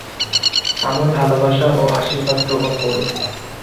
আমার ভালবাসা ও আশীর্বাদ গ্রহণ করুন।